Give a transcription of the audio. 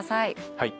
はい。